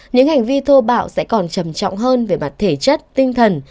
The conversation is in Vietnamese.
những hành vi thô bạo sẽ còn trầm trọng hơn về mặt thể chất tinh thần